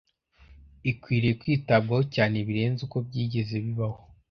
ikwiriye kwitabwaho cyane birenze uko byigeze bibaho.